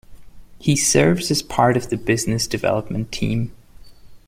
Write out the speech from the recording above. He serves as part of the business development team.